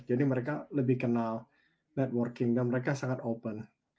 jadi mereka lebih kenal networking dan mereka sangat open